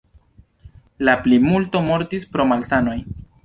La plimulto mortis pro malsanoj.